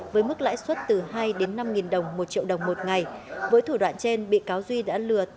với mức lãi suất từ hai đến năm đồng một triệu đồng một ngày với thủ đoạn trên bị cáo duy đã lừa